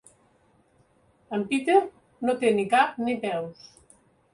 En Peter no té ni cap ni peus.